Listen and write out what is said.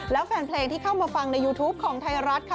แล้วแฟนเพลงที่เข้ามาฟังในยูทูปของไทยรัฐค่ะ